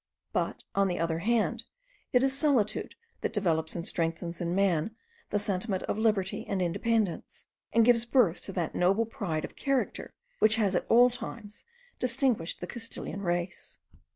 But, on the other hand, it is solitude that develops and strengthens in man the sentiment of liberty and independence; and gives birth to that noble pride of character which has at all times distinguished the Castilian race.